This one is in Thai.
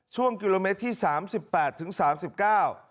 ช่วงกิโลเมตรที่สามสิบแปดถึงสามสิบเก้า